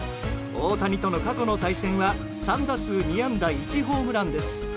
大谷との過去の対戦は３打数２安打１ホームランです。